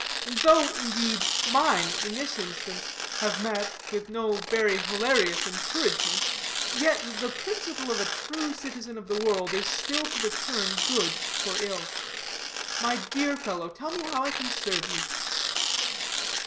And though, indeed, mine, in this instance, have met with no very hilarious encouragement, yet the principle of a true citizen of the world is still to return good for ill. My dear fellow, tell me how I can serve you."